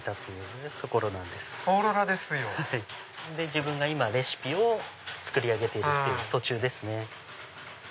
自分が今レシピを作り上げている途中ですね。